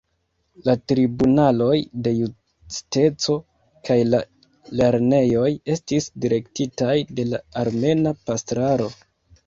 La tribunaloj de justeco kaj la lernejoj estis direktitaj de la armena pastraro.